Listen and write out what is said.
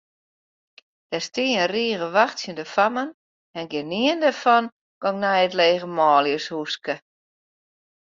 Der stie in rige wachtsjende fammen en gjinien dêrfan gong nei it lege manljushúske.